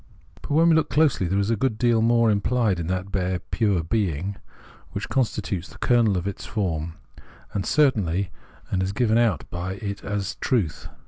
But, when we look closely, there is a good deal more implied in that bare pure being, which constitutes the kernel of this form of certainty, and is given out by it as its truth.